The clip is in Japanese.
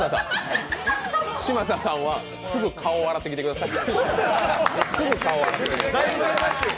嶋佐さんはすぐに顔を洗ってきてください。